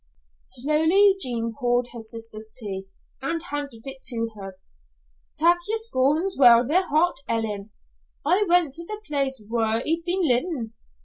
Slowly Jean poured her sister's tea and handed it to her. "Tak' yer scones while they're hot, Ellen. I went to the place whaur he'd been leevin'.